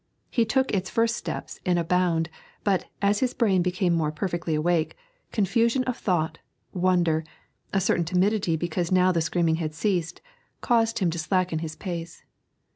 He took its first steps in a bound, but, as his brain became more perfectly awake, confusion of thought, wonder, a certain timidity because now the screaming had ceased, caused him to slacken his pace.